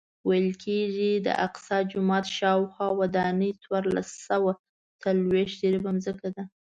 ویل کېږي د اقصی جومات شاوخوا ودانۍ څوارلس سوه څلوېښت جریبه ځمکه ده.